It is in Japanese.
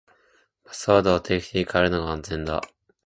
パスワードは定期的に変えるのが安全だ。